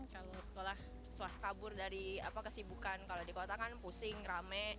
kalau sekolah swastabur dari kesibukan kalau di kota kan pusing rame